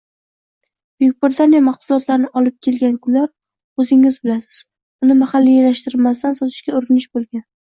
Buyuk Britaniya mahsulotlarini olib kelgan kunlar, oʻzingiz bilasiz, uni mahalliylashtirmasdan sotishga urinish boʻlgan…